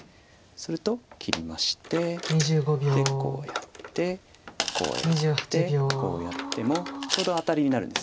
すると切りましてこうやってこうやってこうやってもちょうどアタリになるんです。